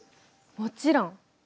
もちろん。